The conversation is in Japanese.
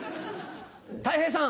たい平さん！